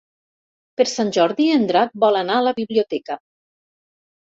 Per Sant Jordi en Drac vol anar a la biblioteca.